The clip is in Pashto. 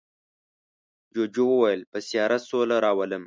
جوجو وویل په سیاره سوله راولم.